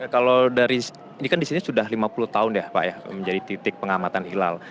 kalau dari ini kan di sini sudah lima puluh tahun ya pak ya menjadi titik pengamatan hilal